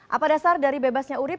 apa dasar dari bebasnya urib